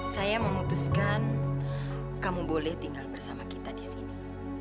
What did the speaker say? saya memutuskan kamu boleh tinggal bersama kita di sini